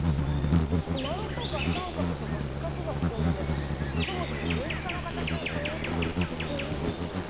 丸とか三角とか四角がほとんどでそもそも十字架の形をしたものすら一つもないんです